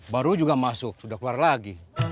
baru juga masuk sudah keluar lagi